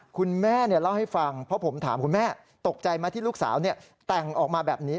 คุณแม่เล่าให้ฟังเพราะผมถามคุณแม่ตกใจไหมที่ลูกสาวแต่งออกมาแบบนี้